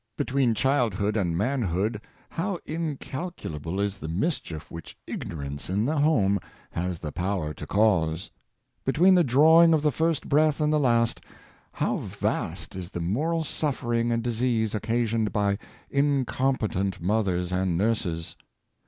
Between childhood and manhood how incalcu lable is the mischief which ignorance in the home has the power to cause ! Between the drawing of the first breath and the last, how vast is the moral suffering and disease occasioned by incompetent mothers and nurses!